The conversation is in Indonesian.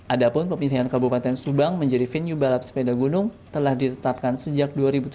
adapun pemilihan kabupaten subang menjadi venue balap sepeda gunung telah ditetapkan sejak dua ribu tujuh belas